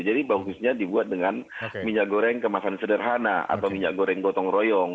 jadi bagusnya dibuat dengan minyak goreng kemasan sederhana atau minyak goreng gotong royong